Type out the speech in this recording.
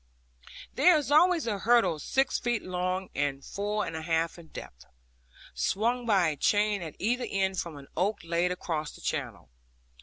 There is always a hurdle six feet long and four and a half in depth, swung by a chain at either end from an oak laid across the channel.